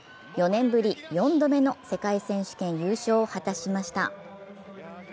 ４年ぶり、４度目の世界選手権優勝を果たしました。